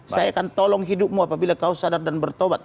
saya akan tolong hidupmu apabila kau sadar dan bertobat